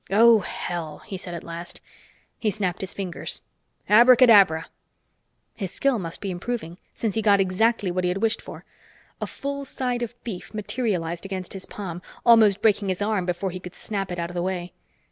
"Oh, hell!" he said at last. He snapped his fingers. "Abracadabra!" His skill must be improving, since he got exactly what he had wished for. A full side of beef materialized against his palm, almost breaking his arm before he could snap it out of the way.